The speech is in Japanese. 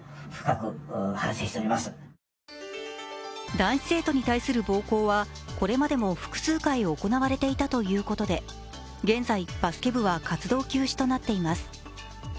男子生徒に対する暴行はこれまでも複数回行われていたということで現在、バスケ部は活動休止となっています。